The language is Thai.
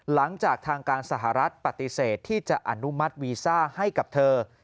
หลังจากทางการสหรัฐปฏิเสธที่จะอนุมัติวีซ่าให้กับเธอ